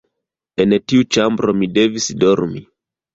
En tiu ĉambro mi devis dormi.